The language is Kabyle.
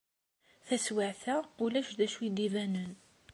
Taswiɛt-a, ulac d acu i d-ibanen.